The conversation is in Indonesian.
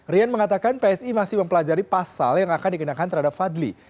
rian mengatakan psi masih mempelajari pasal yang akan dikenakan terhadap fadli